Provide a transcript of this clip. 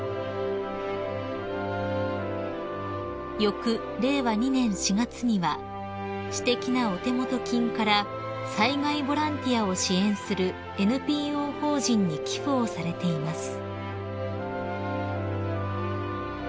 ［翌令和２年４月には私的なお手元金から災害ボランティアを支援するＮＰＯ法人に寄付をされています］